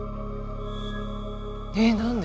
えっ？何で？